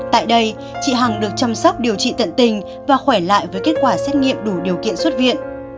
tại đây chị hằng được chăm sóc điều trị tận tình và khỏe lại với kết quả xét nghiệm đủ điều kiện xuất viện